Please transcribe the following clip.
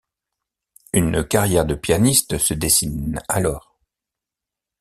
Une carrière de pianiste se dessine alors.